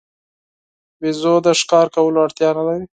بیزو د ښکار کولو اړتیا نه لري.